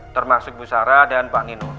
termasuk bu sara dan pak nino